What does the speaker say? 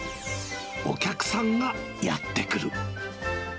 お客さんがやって来る。